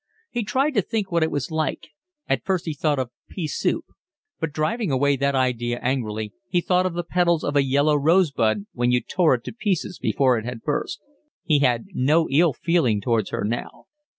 He tried to think what it was like; at first he thought of pea soup; but, driving away that idea angrily, he thought of the petals of a yellow rosebud when you tore it to pieces before it had burst. He had no ill feeling towards her now.